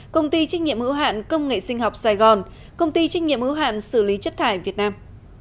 công ty trách nhiệm hữu hạn công nghệ sinh học sài gòn công ty trách nhiệm hữu hạn xử lý chất thải việt nam